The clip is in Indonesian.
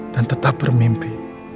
dan tetap bermimpi